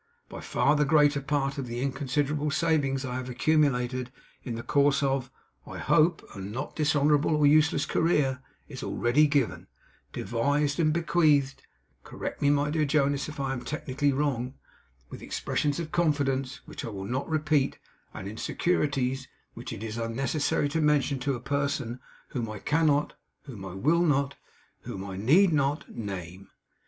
By far the greater part of the inconsiderable savings I have accumulated in the course of I hope a not dishonourable or useless career, is already given, devised, and bequeathed (correct me, my dear Jonas, if I am technically wrong), with expressions of confidence, which I will not repeat; and in securities which it is unnecessary to mention to a person whom I cannot, whom I will not, whom I need not, name.